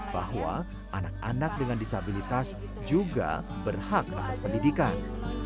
bahwa anak anak dengan disabilitas juga berhak atas pendidikan